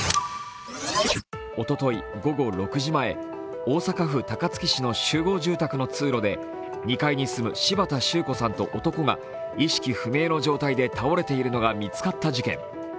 おととい午後６時前、大阪府高槻市の集合住宅の通路で２階に住む柴田周子さんと男が意識不明の状態で倒れているのが見つかった事件。